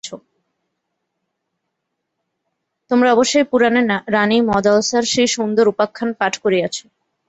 তোমরা অবশ্যই পুরাণে রানী মদালসার সেই সুন্দর উপাখ্যান পাঠ করিয়াছ।